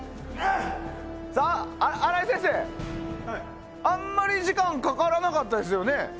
荒井先生、あんまり時間かからなかったですよね？